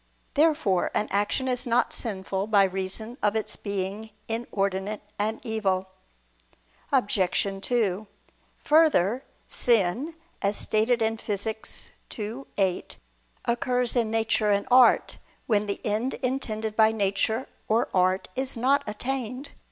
Therefore an action is not sinful by reason of its being inordinate and evil. Obj. 2: Further, sin, as stated in Phys. ii, 8 occurs in nature and art, when the end intended by nature or art is not attained.